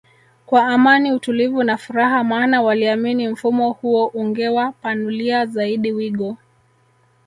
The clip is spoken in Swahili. kwa Amani utulivu na furaha maana waliamini mfumo huo ungewa panulia zaidi wigo